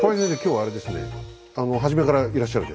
はい。